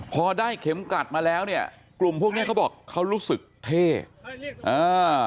พอได้เข็มกลัดมาแล้วเนี่ยกลุ่มพวกเนี้ยเขาบอกเขารู้สึกเท่อ่า